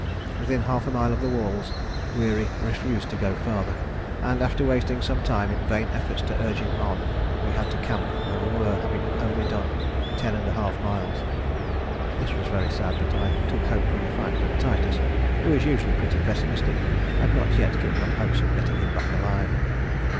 Within half a mile of the walls Weary refused to go farther, and after wasting some time in vain efforts to urge him on we had to camp where we were, having only done 10½ miles. This was very sad, but I took hope from the fact that Titus, who is usually pretty pessimistic, had not yet given up hopes of getting him back alive.